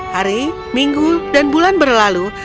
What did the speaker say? hari minggu dan bulan berlalu